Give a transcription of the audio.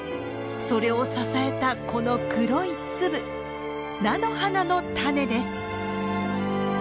それを支えたこの黒い粒菜の花のタネです。